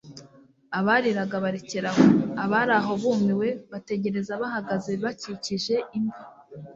Abariraga barekera aho. Abari aho bumiwe bategereza bahagaze bakikije imva.